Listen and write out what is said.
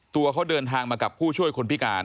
ตัวเขาเดินทางมากับผู้ช่วยคนพิการ